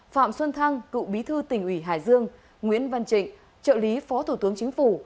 phạm xuân thăng cựu bí thư tỉnh ủy hải dương nguyễn văn trịnh trợ lý phó thủ tướng chính phủ